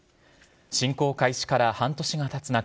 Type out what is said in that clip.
侵攻開始から半年がたつ中